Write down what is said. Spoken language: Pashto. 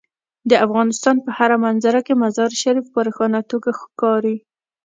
د افغانستان په هره منظره کې مزارشریف په روښانه توګه ښکاري.